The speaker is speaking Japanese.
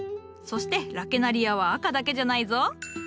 そしてラケナリアは赤だけじゃないぞ。